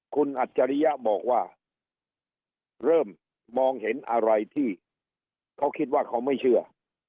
คุณอัจฉริยะบอกว่าเริ่มมองเห็นอะไรที่เขาคิดว่าเขาไม่เชื่อ